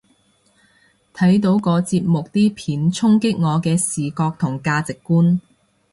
睇到個節目啲片衝擊我嘅視覺同價值觀